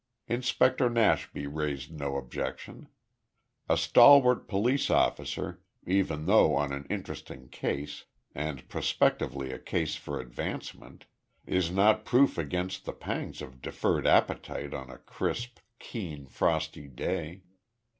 Inspector Nashby raised no objection. A stalwart police officer, even though on an interesting case, and prospectively a case for advancement, is not proof against the pangs of deferred appetite on a crisp, keen, frosty day.